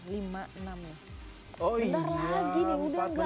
bentar lagi nih udah gak ngerasa